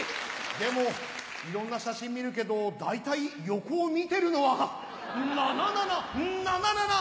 でもいろんな写真見るけど大体横を見てるのはなななななななな。